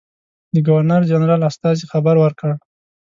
د ګورنرجنرال استازي خبر ورکړ.